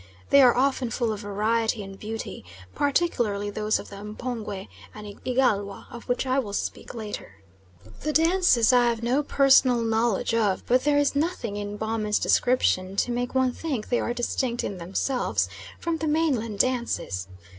They are often full of variety and beauty, particularly those of the M'pongwe and Igalwa, of which I will speak later. The dances I have no personal knowledge of, but there is nothing in Baumann's description to make one think they are distinct in themselves from the mainland dances.